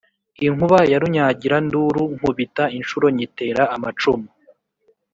Inkuba ya Runyagiranduru nkubita inshuro nyitera amacumu.